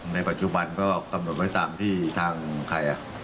ในปัจจุบันก็กรรมการเลยทางที่ทางไข่